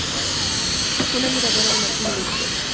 Fue una admiradora de Martin Luther King, Jr.